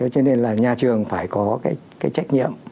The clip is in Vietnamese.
cho nên là nhà trường phải có cái trách nhiệm